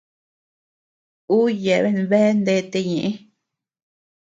Ú yeabean bea ndete ñeʼë.